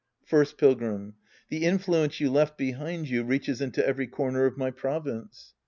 First Pilgrim. The influence you left behind you reaches into every corner of my province.